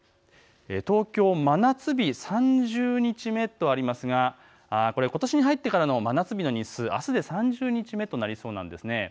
東京、真夏日３０日目とありますがことしに入ってからの真夏日の日数、あすで３０日目となりそうなんです。